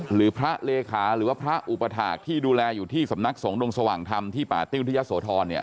หรือพระเลขาหรือว่าพระอุปถาคที่ดูแลอยู่ที่สำนักสงดงสว่างธรรมที่ป่าติ้วที่ยะโสธรเนี่ย